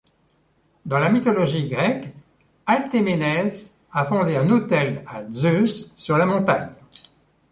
Dans la mythologie grecque, Althéménès a fondé un autel à Zeus sur la montagne.